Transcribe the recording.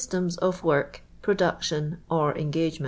m^ of w 'rk. production, or enjr«»".